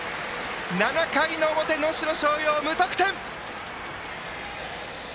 ７回の表、能代松陽は無得点！